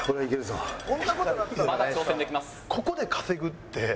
まだ挑戦できます。